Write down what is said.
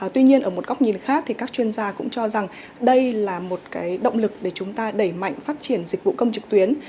tuy nhiên ở một góc nhìn khác thì các chuyên gia cũng cho rằng đây là một động lực để chúng ta đẩy mạnh phát triển dịch vụ công trực tuyến